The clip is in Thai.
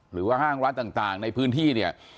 หรือว่าห้างร้านต่างในพื้นที่